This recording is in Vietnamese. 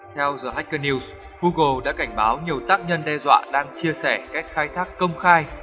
theo giờ hacker news google đã cảnh báo nhiều tác nhân đe dọa đang chia sẻ cách khai thác công khai